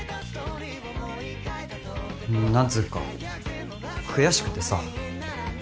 何つうか悔しくてさ。